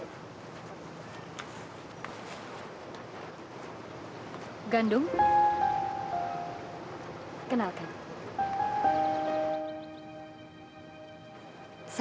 serta berkongsi dulu dengan bangsa